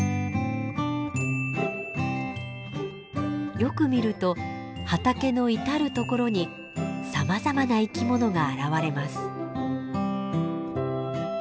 よく見ると畑の至る所にさまざまな生き物が現れます。